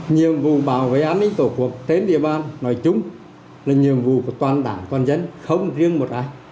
nhiệm vụ bảo vệ an ninh tổ quốc trên địa bàn nói chung là nhiệm vụ của toàn đảng toàn dân không riêng một ai